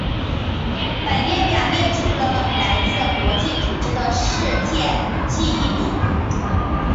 本列表列出了来自国际组织的世界记忆名录。